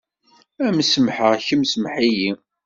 Am semḥeɣ, kemm semḥ-iyi.